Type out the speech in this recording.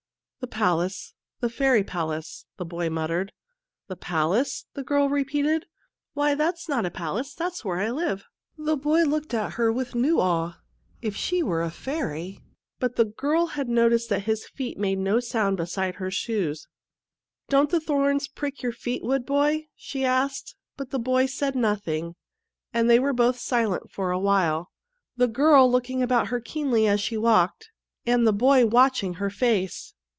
"The palace the fairy palace," the boy muttered. " The palace ?" the girl repeated. " Why, that's not a palace ; that's where I live." The boy looked at her with new awe ; if she were a fairy But the girl had 158 CHILDREN OF THE MOON noticed that his feet made no sound beside her shoes. " Don't the thorns prick your feet, wood boy ?" she asked ; but the boy said nothing, and they were both silent for a while, the girl looking about her keenly as she walked, and the boy watching her face.